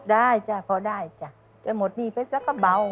ได้จ้ะเพราะได้จ้ะหมดหนี้ไปแล้วก็เบา